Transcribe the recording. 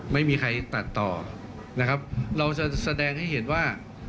ไม่มีใครตัดต่อนะครับเราจะแสดงให้เห็นว่า